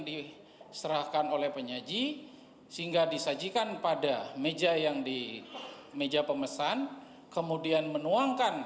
diserahkan oleh penyaji sehingga disajikan pada meja yang di meja pemesan kemudian menuangkan